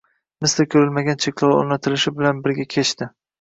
misli ko‘rilmagan cheklovlar o‘rnatilishi bilan birga kechdi.